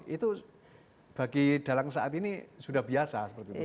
itu bagi dalang saat ini sudah biasa